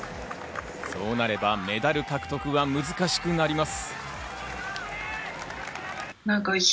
そうなれば、メダル獲得は難しくなります。